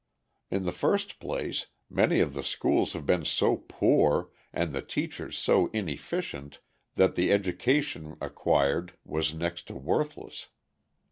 In the first place many of the schools have been so poor and the teachers so inefficient that the "education" acquired was next to worthless.